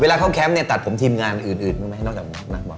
เวลาเข้าแคมป์ตัดผมทีมงานอื่นมึงไหมนอกจากนักบอล